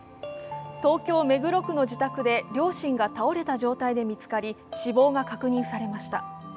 東京・目黒区の自宅で両親が倒れた状態で見つかり、死亡が確認されました。